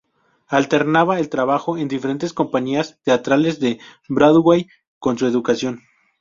Alternaba el trabajo en diferentes compañías teatrales de Broadway con su educación.